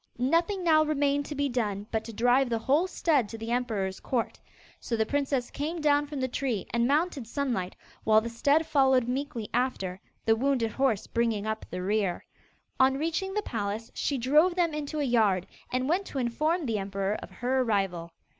Nothing now remained to be done but to drive the whole stud to the emperor's court. So the princess came down from the tree and mounted Sunlight, while the stud followed meekly after, the wounded horse bringing up the rear. On reaching the palace, she drove them into a yard, and went to inform the emperor of her arrival.